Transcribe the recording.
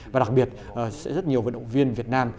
và đặc biệt sẽ rất nhiều vận động viên việt nam